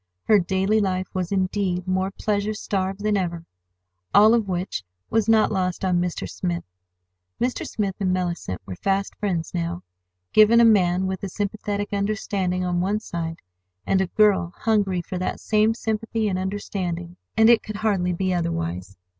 Her daily life was, indeed, more pleasure starved than ever—all of which was not lost on Mr. Smith. Mr. Smith and Mellicent were fast friends now. Given a man with a sympathetic understanding on one side, and a girl hungry for that same sympathy and understanding, and it could hardly be otherwise.